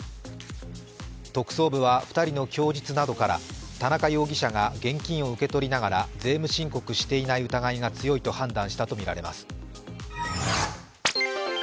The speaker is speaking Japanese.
特捜部は２人の供述などから田中容疑者が現金を受け取りながら税務申告していない疑いが強いと判断したとみられます。